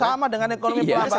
sama dengan ekonomi perabatan global